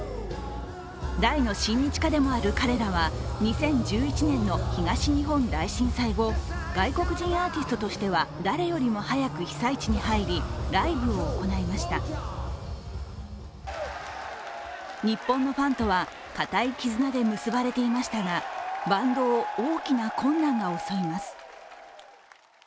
大の親日家でもある彼らは２０１１年の東日本大震災後、外国人アーティストとしては誰よりも早く被災地に入り、ライブを行いました日本のファンとは固い絆で結ばれていましたがバンドを大きな困難が襲います。